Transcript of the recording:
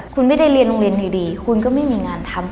คุณไม่ได้เรียนโรงเรียนดีคุณก็ไม่มีงานทำ